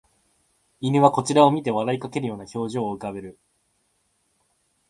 犬はこちらを見て笑いかけるような表情を浮かべる